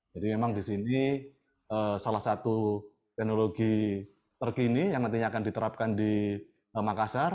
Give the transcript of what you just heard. jadi memang di sini salah satu teknologi terkini yang nantinya akan diterapkan di makassar